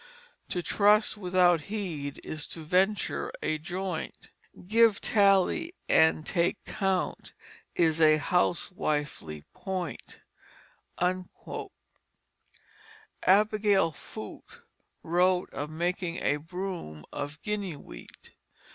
To trust without heed is to venture a joint, Give tale and take count is a housewifely point." Abigail Foote wrote of making a broom of Guinea wheat.